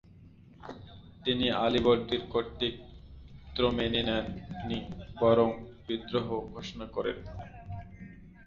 তিনি আলীবর্দীর কর্তৃত্ব মেনে নেন নি, বরং বিদ্রোহ ঘোষণা করেন।